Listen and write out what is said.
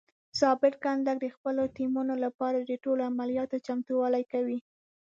ضابط کنډک د خپلو ټیمونو لپاره د ټولو عملیاتو چمتووالی کوي.